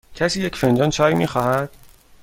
کسی یک فنجان چای می خواهد؟